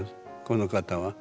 この方は。